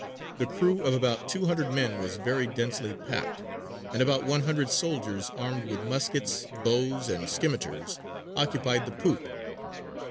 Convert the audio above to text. The crew of about two hundred men was very densely packed, and about one hundred soldiers armed with muskets, bows, and scimitars occupied the poop.